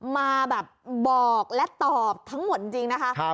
มาแบบบอกและตอบทั้งหมดจริงนะคะ